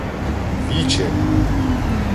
— Віче!